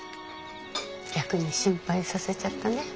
逆に心配させちゃったね。